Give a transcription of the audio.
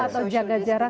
atau jaga jarak